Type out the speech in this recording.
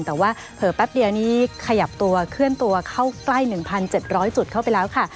แต่ว่าเผลอแป๊บเดียวนี้ขยับตัวเคลื่อนตัวเข้าใกล้๑๗๐๐จุดเข้าไปแล้วค่ะ